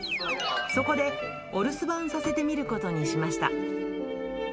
そこでお留守番させてみることにしました。